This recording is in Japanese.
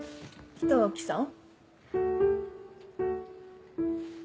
北脇さん。